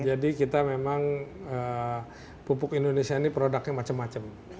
kita memang pupuk indonesia ini produknya macam macam